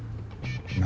何？